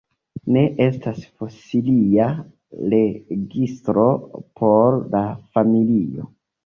Ne estas fosilia registro por la familio.